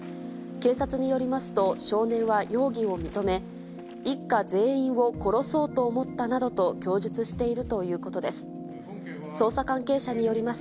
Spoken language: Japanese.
警察によりますと、少年は容疑を認め、一家全員を殺そうと思ったなどと供述しているということです。